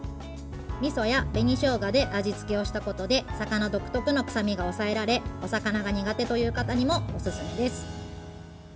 みそや紅しょうがで味付けをしたことで魚独特の臭みが抑えられお魚が苦手という方にもおすすめです。